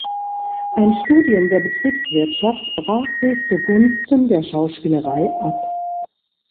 Ein Studium der Betriebswirtschaft brach sie zu Gunsten der Schauspielerei ab.